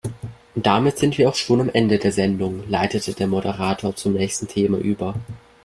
Und damit sind wir auch schon am Ende der Sendung, leitete der Moderator zum nächsten Thema über.